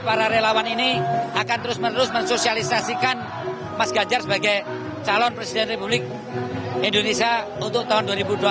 para relawan ini akan terus menerus mensosialisasikan mas ganjar sebagai calon presiden republik indonesia untuk tahun dua ribu dua puluh empat